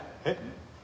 えっ？